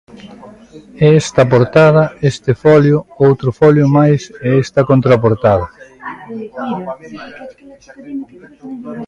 É esta portada, este folio, outro folio máis e esta contraportada.